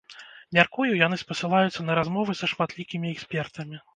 Мяркую, яны спасылаюцца на размовы са шматлікімі экспертамі.